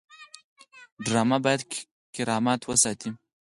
ډرامه باید کرامت وساتي